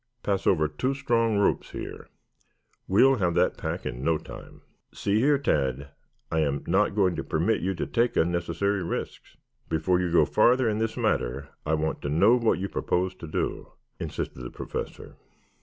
Pass over two strong ropes here. We'll have that pack in no time." "See here, Tad. I am not going to permit you to take unnecessary risks. Before you go farther in this matter I want to know what you propose to do," insisted the Professor.